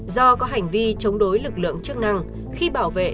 do có hành vi chống đối lực lượng chức năng khi bảo vệ thi công